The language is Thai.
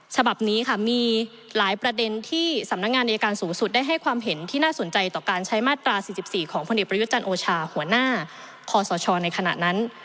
ฉบับนี้ค่ะมีหลายประเด็นที่สำนักงานอายการสูงสุดได้ให้ความเห็นที่น่าสนใจต่อการใช้มาตรา๔๔ของพลเอกประยุทธ์จันทร์โอชาหัวหน้าคอสชในขณะนั้น